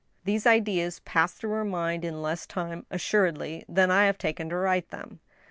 These ideas passed through her mind in less time, assuredly, than I have taken to write them.